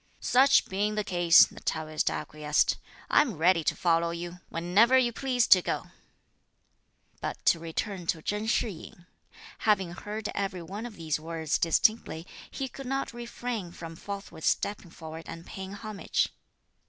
"Such being the case," the Taoist acquiesced, "I am ready to follow you, whenever you please to go." But to return to Chen Shih yin. Having heard every one of these words distinctly, he could not refrain from forthwith stepping forward and paying homage.